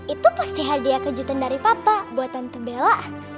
itu pasti hadiah kejutan dari papa buat tante bella